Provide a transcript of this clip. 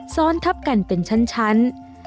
ซ้อนทับกันเป็นชั้น